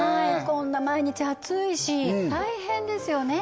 こんな毎日暑いし大変ですよね